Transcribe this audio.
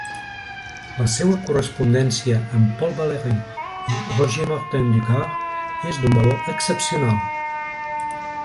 La seua correspondència amb Paul Valéry i Roger Martin du Gard és d'un valor excepcional.